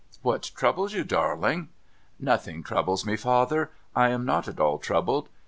' What troubles you, darling ?'' Nothing troubles me, father. I am not at all troubled.